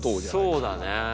そうだね。